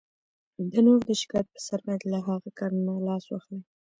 د نورو د شکایت په سر باید له هغه کار نه لاس واخلئ.